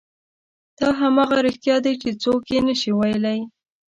دا همغه رښتیا دي چې څوک یې نه شي ویلی.